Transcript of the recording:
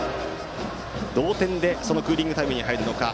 同点でクーリングタイムに入るのか。